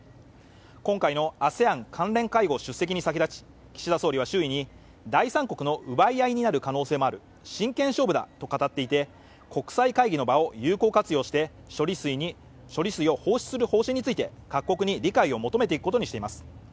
今回のＡＳＥＡＮ関連会合出席に先立ち、岸田総理は周囲に第三国の奪い合いになる可能性もある真剣勝負だと語っていて国際会議の場を有効活用して処理水を放出する方針について各国に理解を求めていくことにしています。